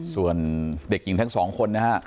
ส่วนเด็กหญิงทั้งสองคนนะฮะ